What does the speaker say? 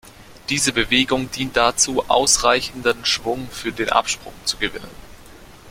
Diese Bewegung dient dazu, ausreichenden Schwung für den Absprung zu gewinnen.